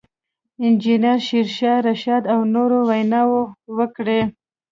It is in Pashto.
انجنیر شېرشاه رشاد او نورو ویناوې وکړې.